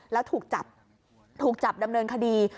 แล้วถูกจับถูกจับดำเนินคดี